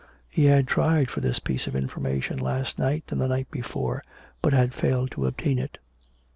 (He had tried for this piece of information last night and the night before, but had failed to obtain it.)